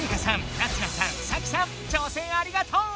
ナツナさんサキさん挑戦ありがとう！